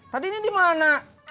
tadi ini dimana